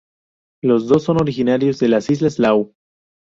Los dos son originarios de las islas Lau.